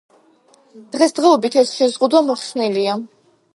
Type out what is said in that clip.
დღესდღეობით ეს შეზღუდვა მოხსნილია.